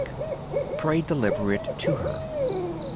Please deliver it to her.